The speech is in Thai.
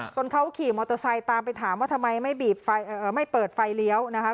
ส่วนเขาขี่มอเตอร์ไซต์ตามไปถามว่าทำไมไม่บีบไฟเอ่อไม่เปิดไฟเลี้ยวนะคะ